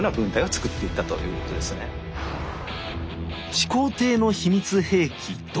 始皇帝の秘密兵器弩。